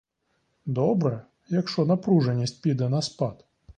Добре, якщо напруженість піде на спад.